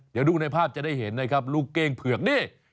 เดี๋ยวดูในภาพจะได้เห็นนะครับลูกเก้งเผือกนี่